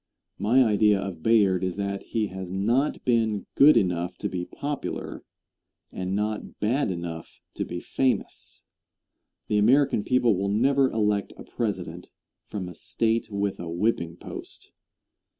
My idea of Bayard is that he has not been good enough to be popular, and not bad enough to be famous. The American people will never elect a President from a State with a whipping post.